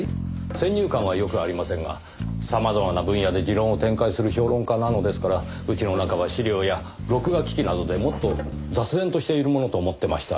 先入観はよくありませんが様々な分野で持論を展開する評論家なのですから家の中は資料や録画機器などでもっと雑然としているものと思ってました。